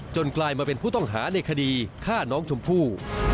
กลายมาเป็นผู้ต้องหาในคดีฆ่าน้องชมพู่